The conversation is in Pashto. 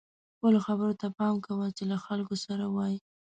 خپلو خبرو ته پام کوه چې له خلکو سره وئ.